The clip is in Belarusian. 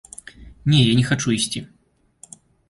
Не, я не хачу ісці.